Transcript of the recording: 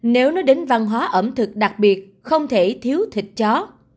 nếu nói đến văn hóa ẩm thực đặc biệt không thể thiếu thịt chó